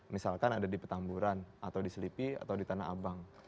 misalkan ada di petamburan atau di selipi atau di tanah abang